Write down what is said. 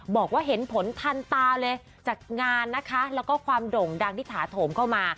บอกว่าเห็นผลทันตาเลยจากงานนะคะแล้วก็ความโด่งดังที่ถาโถมเข้ามา